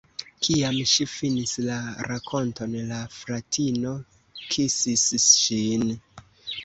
Kiam ŝi finis la rakonton, la fratino kisis ŝin.